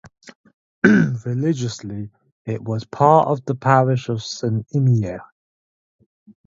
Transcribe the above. Religiously it was part of the parish of Saint-Imier.